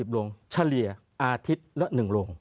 ลงเฉลี่ยอาทิตย์ละ๑ลง